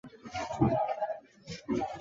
陈东担任首位大使。